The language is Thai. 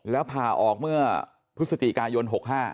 แล้วผ่าออกเมื่อพฤศจิกายน๖๕